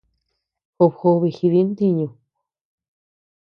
Job jobe jidi ntiñu.